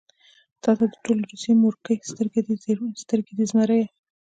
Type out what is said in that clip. تاته د ټولې روسيې مورکۍ سترګې دي زمريه.